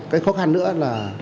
cái khó khăn nữa là